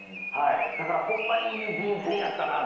だからホンマにいい人選やったなと思って。